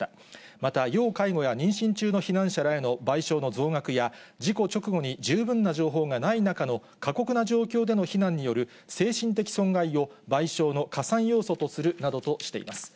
また、要介護や妊娠中の避難者らへの賠償の増額や、事故直後に十分な情報がない中の過酷な状況での避難による精神的損害を、賠償の加算要素とするなどとしています。